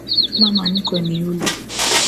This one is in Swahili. Mama mkwe ni yule.